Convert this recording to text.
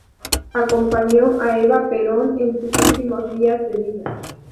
Acompañó a Eva Perón en sus últimos días de vida.